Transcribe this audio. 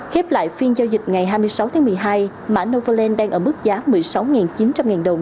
khép lại phiên giao dịch ngày hai mươi sáu tháng một mươi hai mã novaland đang ở mức giá một mươi sáu chín trăm linh đồng